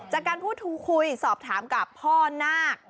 จากการพูดทูคุยสอบถามกับพ่อนาค